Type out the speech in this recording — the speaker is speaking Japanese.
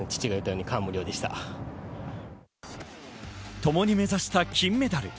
ともに目指した金メダル。